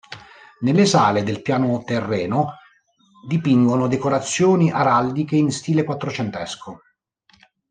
Nelle sale del piano terreno dipingono decorazioni araldiche in stile quattrocentesco.